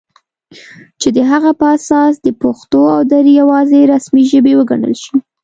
چې د هغه په اساس دې پښتو او دري یواځې رسمي ژبې وګڼل شي